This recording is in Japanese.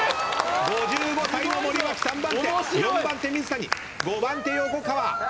５５歳の森脇３番手４番手水谷５番手横川。